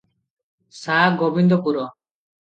Sa Gobindpur.